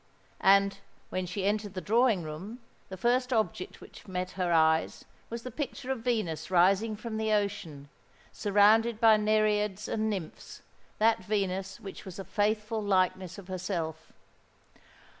And, when she entered the drawing room, the first object which met her eyes was the picture of Venus rising from the ocean, surrounded by nereids and nymphs,—that Venus which was a faithful likeness of herself!